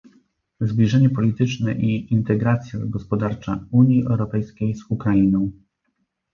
zbliżenie polityczne i integracja gospodarcza Unii Europejskiej z Ukrainą